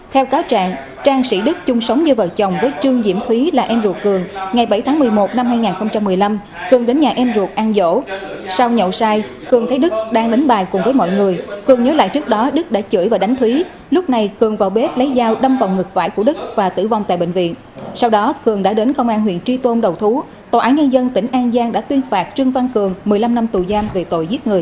theo cáo trạng trang sĩ đức chung sống với vợ chồng với trương diễm thúy là em ruột cường ngày bảy tháng một mươi một năm hai nghìn một mươi năm cường đến nhà em ruột ăn dỗ sau nhậu sai cường thấy đức đang đánh bài cùng với mọi người cường nhớ lại trước đó đức đã chửi và đánh thúy lúc này cường vào bếp lấy dao đâm vào ngực vải của đức và tử vong tại bệnh viện sau đó cường đã đến công an huyện tri tôn đầu thú tòa án nhân dân tỉnh an giang đã tuyên phạt trương văn cường một mươi năm năm tù giam về tội giết người